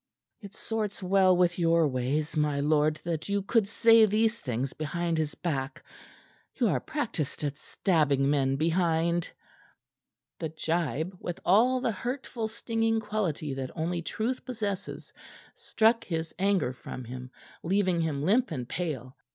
"It sorts well with your ways, my lord, that you could say these things behind his back. You are practiced at stabbing men behind." The gibe, with all the hurtful, stinging quality that only truth possesses, struck his anger from him, leaving him limp and pale.